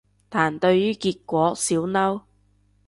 但對於結果少嬲